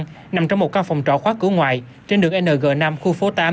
trong chăn nằm trong một cao phòng trỏ khóa cửa ngoài trên đường ng năm khu phố tám